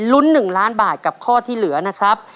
ลุ้น๑ล้านบาทกับข้อที่เหลือนะครับ